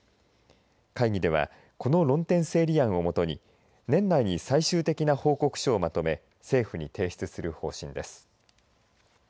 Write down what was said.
会議ではこの論点整理案を基に年内に最終的な報告書をまとめ政府に提出する方針です。